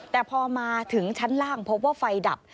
แต่พอมาถึงชั้นล่างพบว่าไฟดับ